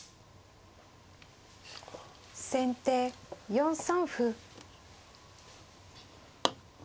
先手４三歩。